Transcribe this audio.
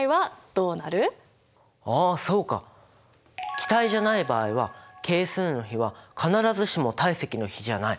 気体じゃない場合は係数の比は必ずしも体積の比じゃない！